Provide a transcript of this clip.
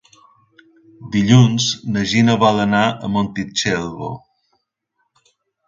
Dilluns na Gina vol anar a Montitxelvo.